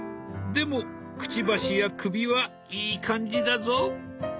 でもくちばしや首はいい感じだぞ。